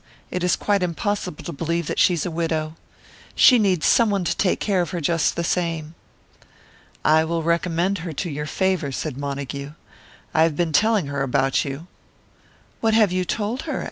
It is quite impossible to believe that she's a widow. She needs someone to take care of her just the same." "I will recommend her to your favour," said Montague. "I have been telling her about you." "What have you told her?"